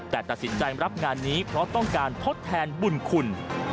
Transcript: แต่ตัดสินใจรับงานนี้เพราะต้องการทดแทนบุญคุณ